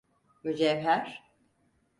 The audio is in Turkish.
Mücevher…